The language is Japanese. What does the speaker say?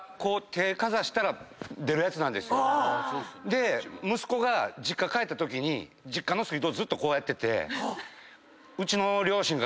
で息子が実家帰ったときに実家の水道ずっとこうやってて。